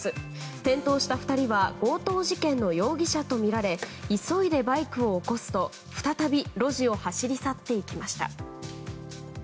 転倒した２人は強盗事件の容疑者とみられ急いでバイクを起こすと再び路地を走り去っていきました。